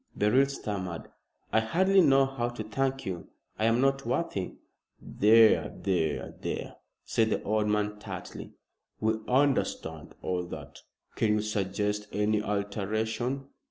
Beryl stammered. "I hardly know how to thank you. I am not worthy " "There there there!" said the old man tartly. "We understand all that. Can you suggest any alteration?"